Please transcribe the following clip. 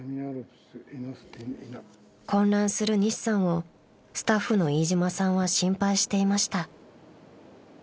［混乱する西さんをスタッフの飯島さんは心配していました］